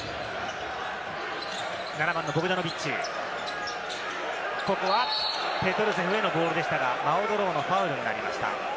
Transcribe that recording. ７番・ボグダノビッチ、ここはペトルセフへのボールでしたが、ローのファウルになりました。